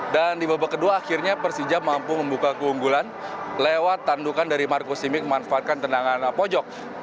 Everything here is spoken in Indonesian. dan di babak kedua akhirnya persija mampu membuka keunggulan lewat tandukan dari marco simic memanfaatkan tendangan pojok